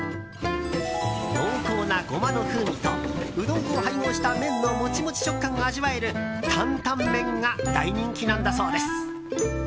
濃厚なゴマの風味とうどん粉を配合した麺のモチモチ食感が味わえる担々麺が大人気なんだそうです。